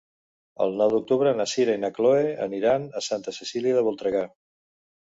El nou d'octubre na Sira i na Chloé aniran a Santa Cecília de Voltregà.